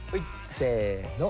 せの！